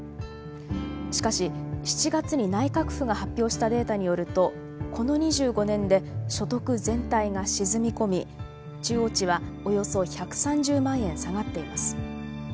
しかし７月に内閣府が発表したデータによるとこの２５年で所得全体が沈み込み中央値はおよそ１３０万円下がっています。